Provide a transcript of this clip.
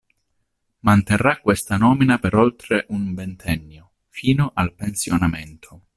Manterrà questa nomina per oltre un ventennio, fino al pensionamento.